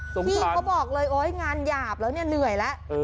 พี่เขาบอกเลยโอ๊ยงานหยาบแล้วเนี่ยเหนื่อยแล้ว